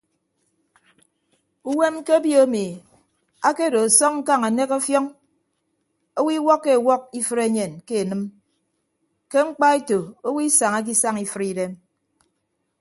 Uwem ke obio emi akedo asọñ ñkañ anek ọfiọñ owo iwọkkọ ewọk ifre enyen ke enịm ke mkpaeto owo isañake isañ ifre idem.